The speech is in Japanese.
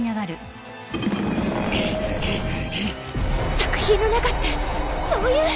作品の中ってそういう。